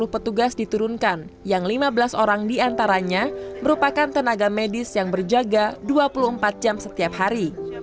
lima puluh petugas diturunkan yang lima belas orang diantaranya merupakan tenaga medis yang berjaga dua puluh empat jam setiap hari